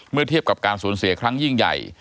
เทียบกับการสูญเสียครั้งยิ่งใหญ่